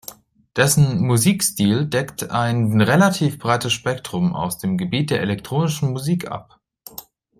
Dessen Musikstil deckt ein relativ breites Spektrum aus dem Gebiet der Elektronischen Musik ab.